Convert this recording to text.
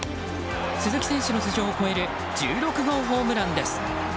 鈴木選手の頭上を越える１６号ホームランです！